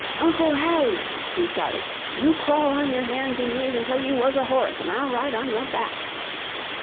"Uncle Harry," he shouted, "you crawl on your hands and knees and play you was a horse, and I'll ride on your back."